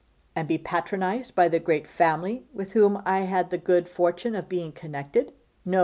'And be patronised by the great family with whom I had the good fortune of being connected. No!